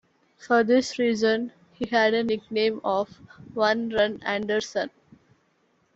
For this reason, he had a nickname of "One Run Anderson".